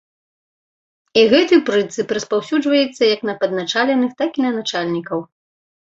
І гэты прынцып распаўсюджваецца як на падначаленых, так і на начальнікаў.